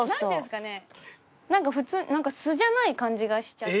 なんか普通なんか素じゃない感じがしちゃって。